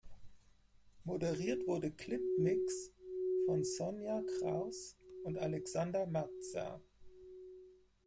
Moderiert wurde "Clip Mix" von Sonya Kraus und Alexander Mazza.